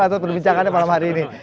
atas perbincangannya malam hari ini